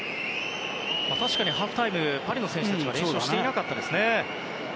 確かにハーフタイムパリの選手たちは練習をしていませんでしたね。